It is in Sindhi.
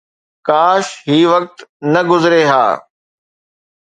ڪاش هي وقت نه گذري ها.